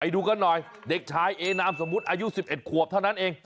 ดูกันหน่อยเด็กชายเอนามสมมุติอายุ๑๑ขวบเท่านั้นเอง